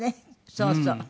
そうそう。